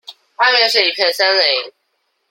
外面是一片森林